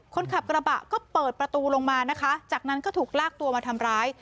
คนขับกระบะก็เปิดประตูลงมานะคะจากนั้นก็ถูกลากตัวมาทำร้าย